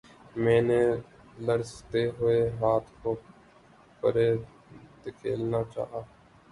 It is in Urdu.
میں نے لرزتے ہوئے ہاتھ کو پرے دھکیلنا چاہا